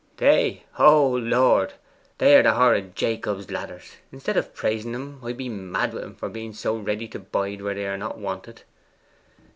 'They? O Lord, they are the horrid Jacob's ladders! Instead of praising 'em, I be mad wi' 'em for being so ready to bide where they are not wanted.